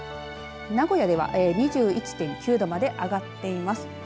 名古屋では２１．９度まで上がっています。